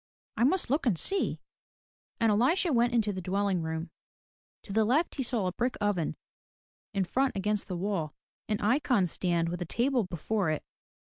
"I must look and see/* And Elisha went into the dwelling room. To the left he saw a brick oven, in front against the wall, an icon stand with a table before it.